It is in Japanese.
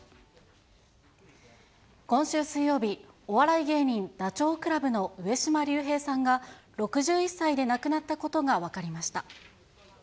今週水曜日、お笑い芸人、ダチョウ倶楽部の上島竜兵さんが６１歳で亡くなったことが分かりました。